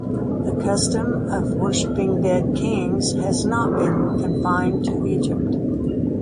The custom of worshiping dead kings has not been confined to Egypt.